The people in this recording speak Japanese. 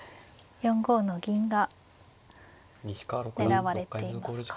４五の銀が狙われていますか。